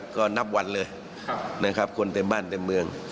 ก็นับวันเลยนะครับคนเต็มบ้านเต็มเมือง